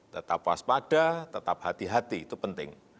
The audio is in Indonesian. tetap puas pada tetap hati hati itu penting